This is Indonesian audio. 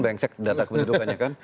benceng data kependudukannya kan